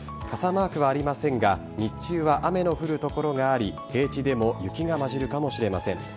傘マークはありませんが、日中は雨の降る所があり、平地でも雪がまじるかもしれません。